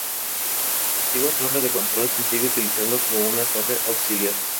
La antigua torre de control se sigue utilizando como una torre auxiliar.